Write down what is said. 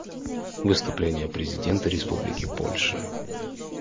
Выступление президента Республики Польша.